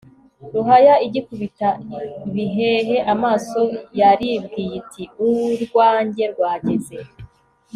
ruhaya igikubita bihehe amaso, yaribwiye iti «urwanjye rwageze